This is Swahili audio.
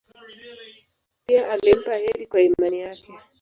Pia alimpa heri kwa imani yake.